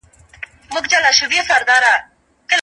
هغه رمې چي شپون لري خوندي وي.